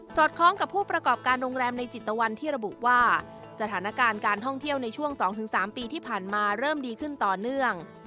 คล้องกับผู้ประกอบการโรงแรมในจิตตะวันที่ระบุว่าสถานการณ์การท่องเที่ยวในช่วง๒๓ปีที่ผ่านมาเริ่มดีขึ้นต่อเนื่อง